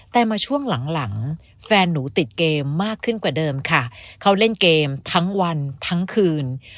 แต่มาช่วงหลังหลังแฟนหนูติดเกมมากขึ้นกว่าเดิมค่ะเขาเล่นเกมทั้งวันทั้งคืน